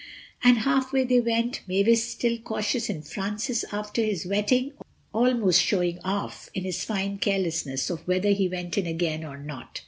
And halfway they went, Mavis still cautious, and Francis, after his wetting, almost showing off in his fine carelessness of whether he went in again or not.